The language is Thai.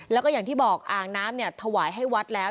แล้วก็อย่างที่บอกอ่างน้ำเนี่ยถวายให้วัดแล้ว